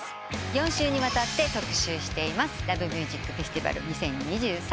４週にわたって特集しています「ＬＯＶＥＭＵＳＩＣＦＥＳＴＩＶＡＬ２０２３」